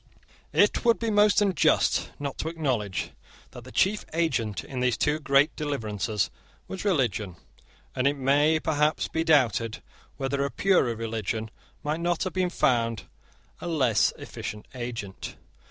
It would be most unjust not to acknowledge that the chief agent in these two great deliverances was religion; and it may perhaps be doubted whether a purer religion might not have been found a less efficient agent.